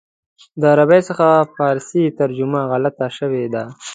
د عربي څخه فارسي ترجمه غلطه شوې ده.